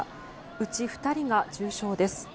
うち２人が重症です。